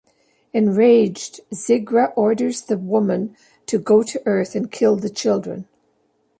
Enraged, Zigra orders the woman to go to Earth and kill the children.